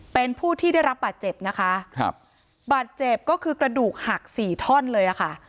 เป็นผู้ที่ได้รับบาดเจ็บนะคะครับบาดเจ็บก็คือกระดูกหักสี่ท่อนเลยอะค่ะ